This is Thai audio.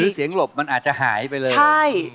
เสียงหลบมันอาจจะหายไปเลย